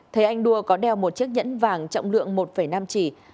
thấy anh đua có đeo một chiếc nhẫn vàng trọng lượng một năm chỉ